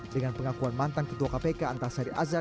dengan pengakuan mantan ketua kpk antasari azhar